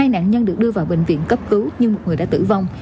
công an được đưa vào bệnh viện cấp cứu nhưng một người đã tử vong